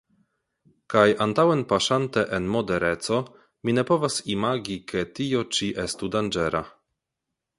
Kaj antaŭenpaŝante en modereco, mi ne povas imagi, ke tio ĉi estu danĝera.